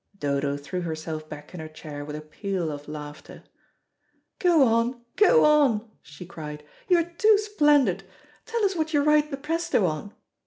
Dodo threw herself back in her chair with a peal of laughter. "Go on, go on," she cried, "you are too splendid. Tell us what you write the presto on."